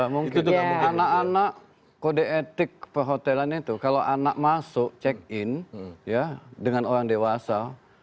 mungkin yang anak anak kode etik perhotelan itu kalau anak masuk check in dengan orang dewasa